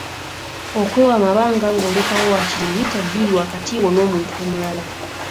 Okwewa amabanga ng’olekawo waakiri mmita bbiri wakati wo n’omuntu omulala;